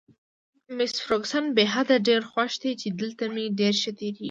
مس فرګوسن: بې حده، ډېره خوښه ده چې دلته مې ډېر ښه تېرېږي.